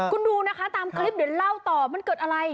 คุณดูนะคะตามคลิปเดี๋ยวเล่าต่อมันเกิดอะไร